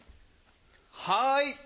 はい。